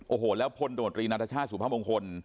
โอ้โหแล้วพลนัทชาติสุภาพมงคล